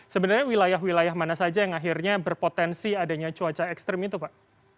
sebenarnya wilayah wilayah mana saja yang akhirnya berpotensi adanya cuaca ekstrim itu pak